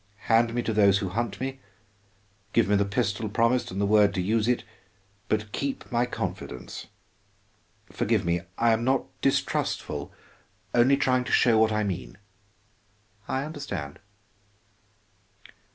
Hand me to those who hunt me, give me the pistol promised and the word to use it, but keep my confidence. Forgive me, I am not distrustful, only trying to show what I mean." "I understand."